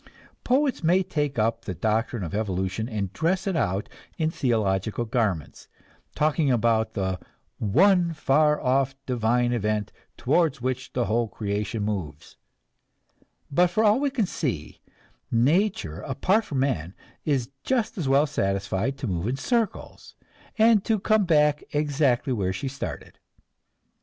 Poets may take up the doctrine of evolution and dress it out in theological garments, talking about the "one far off divine event towards which the whole creation moves," but for all we can see, nature, apart from man, is just as well satisfied to move in circles, and to come back exactly where she started.